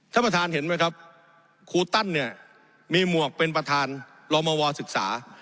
ท่านประธานเห็นไหมครับครูตั้นเนี่ยมีหมวกเป็นประธานลมวศึกษา